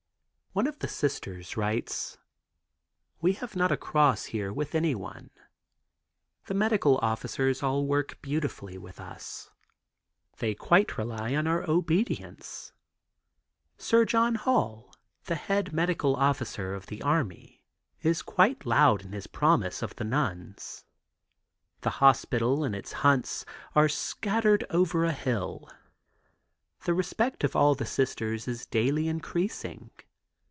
One of the Sisters writes: "We have not a cross here with anyone. The medical officers all work beautifully with us. They quite rely on our obedience. Sir John Hall, the head medical officer of the army, is quite loud in his promise of the nuns. The hospital and its hunts are scattered over a hill. The respect of all for the Sisters is daily increasing.